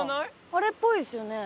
あれっぽいですよね。